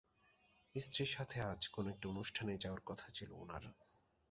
স্ত্রীর সাথে আজ কোনো একটা অনুষ্ঠানে যাওয়ার কথা ছিল উনার।